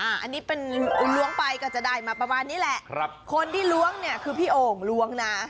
อันนี้เป็นล้วงไปก็จะได้มาประมาณนี้แหละครับคนที่ล้วงเนี่ยคือพี่โอ่งล้วงนะ